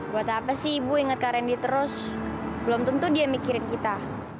buat apa sih ibu ingat karendi terus belum tentu dia mikirin kita